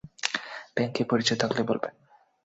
ব্যাংকে পরিচয় থাকলে বলবেন।